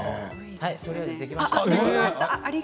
とりあえず、できました。